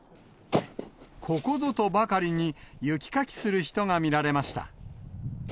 ここぞとばかりに雪かきする人が見られました。